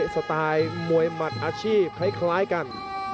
สไตล์มวยหมัดอาชีพคล้ายกัน